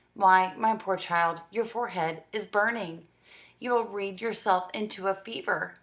Why, my poor child, your fore head is burning. You will read yourself into a fever."